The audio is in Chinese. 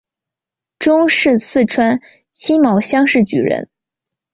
中式四川辛卯乡试举人。